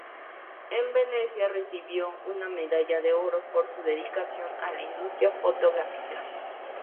En Venecia recibió una medalla de oro por su dedicación a la industria fotográfica.